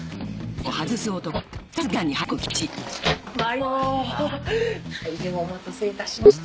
大変お待たせいたしました。